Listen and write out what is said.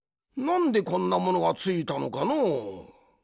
なんでこんなものがついたのかのう？